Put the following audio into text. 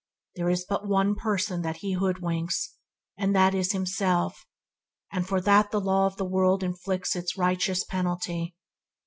There is but one person that he hoodwinks, and that is himself, and for that the law of the world inflicts its righteous penalty.